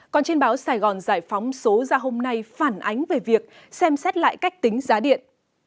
còn trên báo sài gòn giải phóng số ra hôm nay phản ánh về việc xem xét lại cách tính giá điện